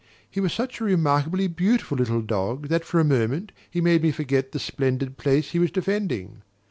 He was such a remarkably beautiful little dog that for a moment he made me forget the splendid place he was defending.